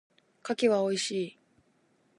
柿は美味しい。